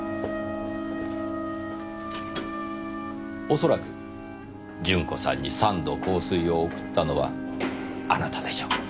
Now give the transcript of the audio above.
恐らく順子さんに三度香水を贈ったのはあなたでしょう。